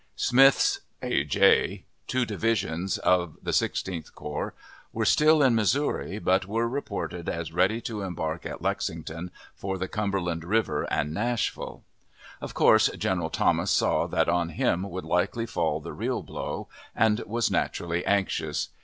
Smith's (A. J.) two divisions of the Sixteenth Corps were still in Missouri, but were reported as ready to embark at Lexington for the Cumberland River and Nashville. Of course, General Thomas saw that on him would likely fall the real blow, and was naturally anxious.